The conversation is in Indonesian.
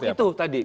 yang hoax itu tadi